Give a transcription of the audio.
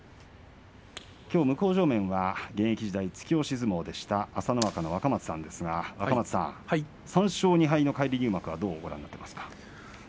きょう向正面は現役時代、突き押し相撲でした朝乃若の若松さんですが３勝２敗の返り入幕はどうご覧になっていますか。